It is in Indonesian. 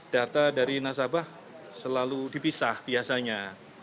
data dari nasabah selalu dipisah biasanya